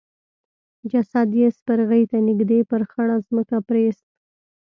جسد يې سپرغي ته نږدې پر خړه ځمکه پريېست.